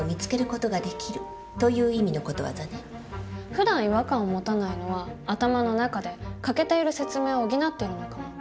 ふだん違和感を持たないのは頭の中で欠けている説明を補ってるのかも。